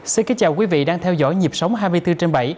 xin chào các quý vị đang theo dõi nhiệp sống hai mươi bốn trên bảy